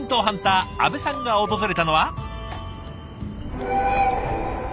ハンター阿部さんが訪れたのは。